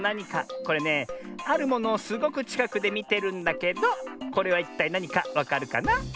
これねあるものをすごくちかくでみてるんだけどこれはいったいなにかわかるかな？